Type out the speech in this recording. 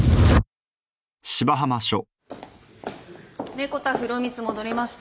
猫田風呂光戻りました。